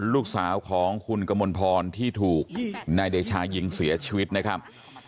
ลูกสาวของคุณกมลพรที่ถูกนายเดชายิงเสียชีวิตนะครับ